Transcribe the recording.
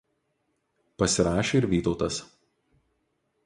Pasirašė ir Vytautas.